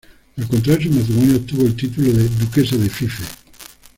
Al contraer su matrimonio, obtuvo el título de duquesa de Fife.